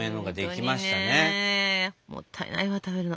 もったいないわ食べるの。